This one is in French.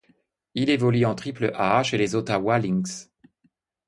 Il évolue en Triple-A chez les Ottawa Lynx.